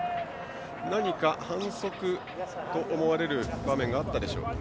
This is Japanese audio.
何か、反則と思われる場面があったでしょうか。